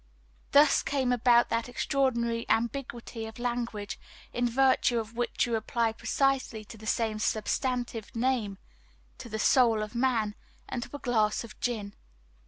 Thus came about that extraordinary ambiguity of language, in virtue of which you apply precisely the same substantive name to the soul of man and to a glass of gin!